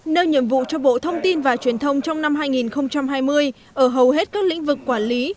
nơi nhiệm vụ cho bộ thông tin và truyền thông trong năm hai nghìn hai mươi ở hầu hết các lĩnh vực quản lý